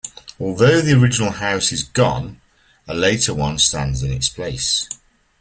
Although the original house is gone, a later one stands in its place.